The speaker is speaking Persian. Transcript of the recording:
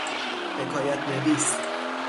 حکایت نویس